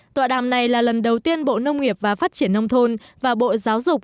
tọa đàm này là lần đầu tiên bộ nông nghiệp và phát triển nông thôn và bộ giáo dục